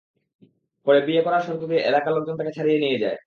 পরে বিয়ে করার শর্ত দিয়ে এলাকার লোকজন তাঁকে ছাড়িয়ে নিয়ে যায়।